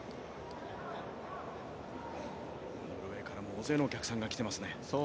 ノルウェーからも大勢のお客さんが来ていますね。